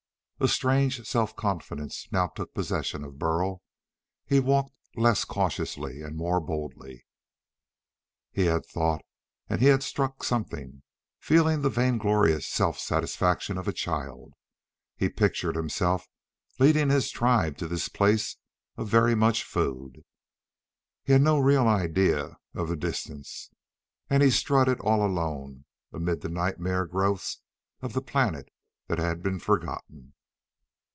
A strange self confidence now took possession of Burl. He walked less cautiously and more boldly. He had thought and he had struck something, feeling the vainglorious self satisfaction of a child. He pictured himself leading his tribe to this place of very much food he had no real idea of the distance and he strutted all alone amid the nightmare growths of the planet that had been forgotten.